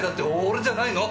俺じゃないの。